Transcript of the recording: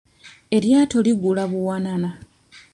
Eryato ligula buwanana.